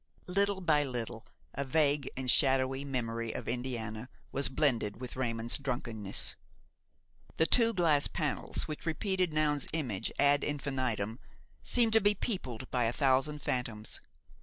Little by little a vague and shadowy memory of Indiana was blended with Raymon's drunkenness. The two glass panels which repeated Noun's image ad infinitum seemed to be peopled by a thousand phantoms.